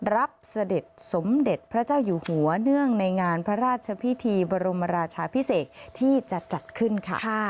เสด็จสมเด็จพระเจ้าอยู่หัวเนื่องในงานพระราชพิธีบรมราชาพิเศษที่จะจัดขึ้นค่ะ